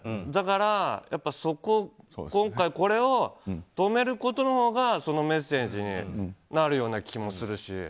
だから、今回これを止めることのほうがそのメッセージになるような気もするし。